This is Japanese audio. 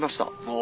お。